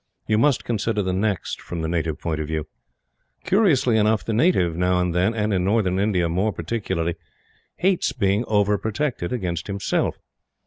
You must consider the next from the native point of view. Curiously enough, the native now and then, and in Northern India more particularly, hates being over protected against himself.